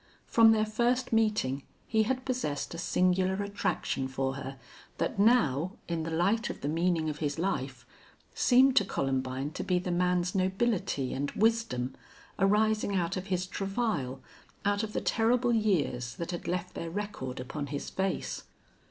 From their first meeting he had possessed a singular attraction for her that now, in the light of the meaning of his life, seemed to Columbine to be the man's nobility and wisdom, arising out of his travail, out of the terrible years that had left their record upon his face.